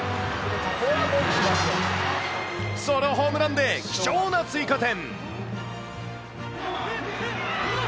ソロホームランで貴重な追加点。